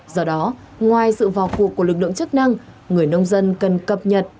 do đó ngoài sự vào cuộc của lực lượng chức năng người nông dân cần cập nhật